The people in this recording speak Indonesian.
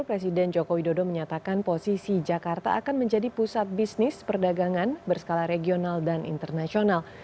presiden joko widodo menyatakan posisi jakarta akan menjadi pusat bisnis perdagangan berskala regional dan internasional